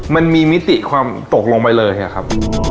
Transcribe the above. มิติความตกลงไปเลยอะครับ